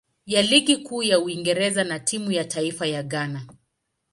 ya Ligi Kuu ya Uingereza na timu ya taifa ya Ghana.